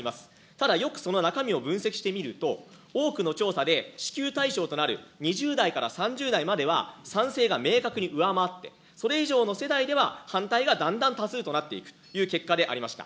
ただよくその中身を分析してみると、多くの調査で支給対象となる２０代から３０代までは、賛成が明確に上回って、それ以上の世代では反対がだんだん多数となっていくという結果でありました。